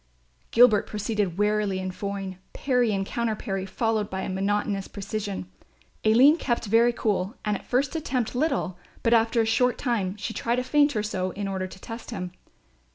Gilbert proceeded warily and foyne, parry and counterparry followed with monotonous precision. Aline kept very cool and at first attempted little; but after a short time she tried a feint or so in order to test him.